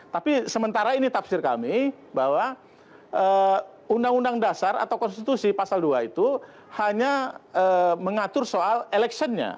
tapi sementara ini tafsir kami bahwa undang undang dasar atau konstitusi pasal dua itu hanya mengatur soal electionnya